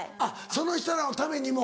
その人らのためにも。